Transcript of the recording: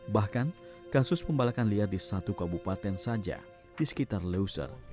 bahkan kasus pembalakan liar di satu kabupaten saja di sekitar leuser